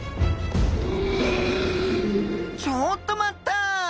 ちょっと待った！